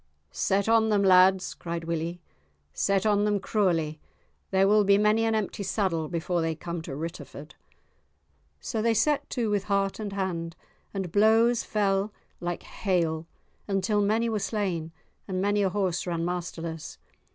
"Set on them, lads!" cried Willie; "set on them cruelly; there will be many an empty saddle before they come to Ritterford." So they set to with heart and hand, and blows fell like hail until many were slain and many a horse ran masterless.